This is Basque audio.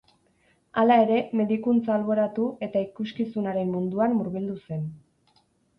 Hala ere, medikuntza alboratu eta ikuskizunaren munduan murgildu zen.